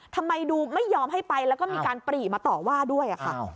ทำไมดูไม่ยอมให้ไปแล้วก็มีการปรีมาต่อว่าด้วยค่ะ